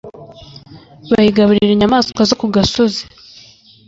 bayigaburira inyamaswa zo ku gasozi